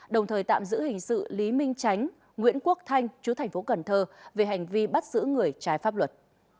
đồng thời tạm giữ hình sự lý minh tránh nguyễn quốc thanh chú thành phố cần thơ về hành vi bắt giữ người trái pháp luật